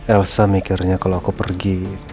elsa mikirnya kalau aku pergi